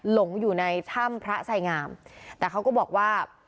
หลงอยู่ในถ้ำพระไสงามแต่เขาก็บอกว่า